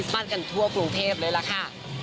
กันทั่วกรุงเทพเลยล่ะค่ะ